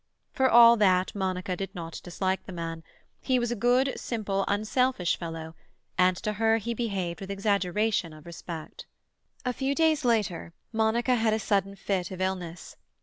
For all that Monica did not dislike the man; he was a good, simple, unselfish fellow, and to her he behaved with exaggeration of respect. A few days later Monica had a sudden fit of illness.